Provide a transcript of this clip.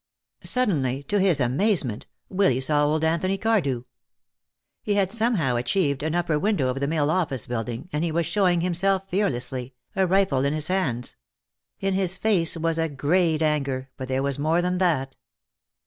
Suddenly, to his amazement, Willy saw old Anthony Cardew. He had somehow achieved an upper window of the mill office building, and he was showing himself fearlessly, a rifle in his hands; in his face was a great anger, but there was more than that.